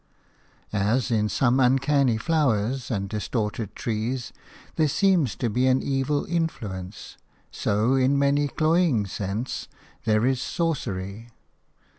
As in some uncanny flowers and distorted trees there seems to be an evil influence, so in many cloying scents there is sorcery.